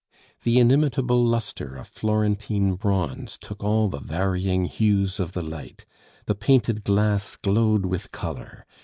The inimitable lustre of Florentine bronze took all the varying hues of the light; the painted glass glowed with color.